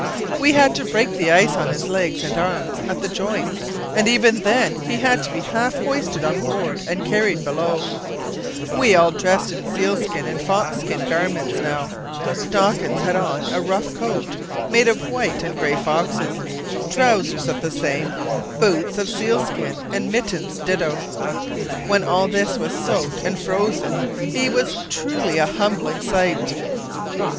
We had to break the ice on his legs and arms at the joints, and even then he had to be half hoisted on board and carried below. We all dress in seal skin and fox skin garments now. Dawkins had on a rough coat, made of white and grey foxes; trousers of the same; boots of seal skin, and mittens ditto. When all this was soaked and frozen he was truly a humbling sight!